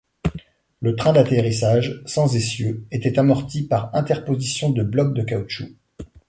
Le train d’atterrissage, sans essieu, était amorti par interposition de blocs de caoutchouc.